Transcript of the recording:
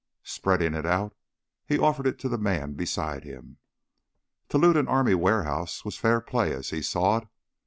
Spreading it out, he offered it to the man beside him. To loot an army warehouse was fair play as he saw it.